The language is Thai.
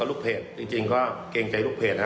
การเงินมันมีฝักมีฝ่ายฮะ